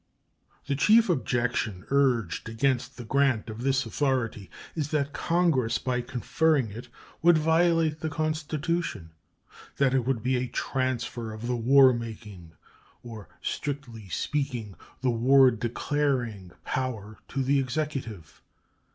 The chief objection urged against the grant of this authority is that Congress by conferring it would violate the Constitution; that it would be a transfer of the war making, or, strictly speaking, the war declaring, power to the Executive.